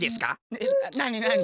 えっなになに？